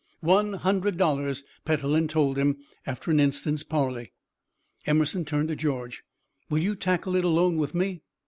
"One hundred dollars," Petellin told him, after an instant's parley. Emerson turned to George. "Will you tackle it alone with me?"